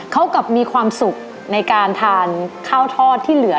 เขากลับมีความสุขในการทานข้าวทอดที่เหลือ